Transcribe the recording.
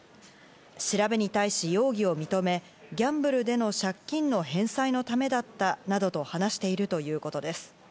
調べに対し容疑を認め、ギャンブルでの借金の返済のためだったなどと話しているということです。